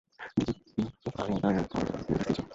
DGP FIR দায়ের করার আদেশ দিয়েছে।